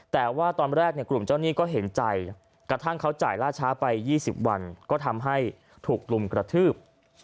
แต่ว่าตอนแรกกลุ่มเจ้าหนี้ก็เห็นใจกระทั่งเขาจ่ายล่าช้าไป๒๐วันก็ทำให้ถูกกลุ่มกระทืบ